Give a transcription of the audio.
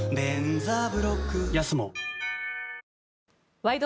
「ワイド！